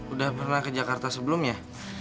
udah pernah ke jakarta sebelumnya